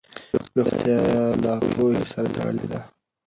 روغتیا له پوهې سره تړلې ده.